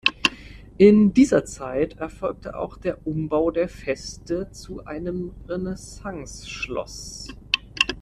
In dieser Zeit erfolgte auch der Umbau der Feste zu einem Renaissanceschloss.